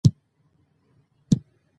مرسته د کمزورۍ نه، بلکې د ځواک نښه ده.